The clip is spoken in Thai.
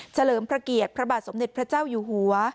เลิมพระเกียรติพระบาทสมเด็จพระเจ้าอยู่หัว